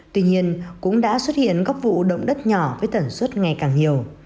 tuy nhiên cũng đã xuất hiện góc vụ động đất nhỏ với tẩn xuất ngày càng nhiều